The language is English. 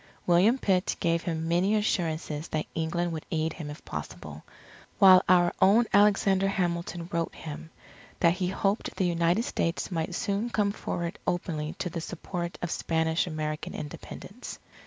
William Pitt gave him many assurances that England would aid him if possible; while our own Alexander Hamilton wrote him, that he hoped the United States might soon come forward openly to the support of Spanish American Independence.